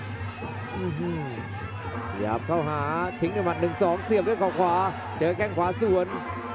พยายามเข้าหาทิ้งด้วยหมัด๑๒เสียบด้วยเขาขวาเจอแข้งขวาสวน